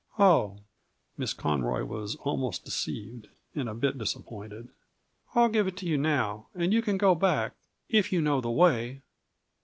"Oh!" Miss Conroy was almost deceived, and a bit disappointed. "I'll give it to you now, and you can go back if you know the way."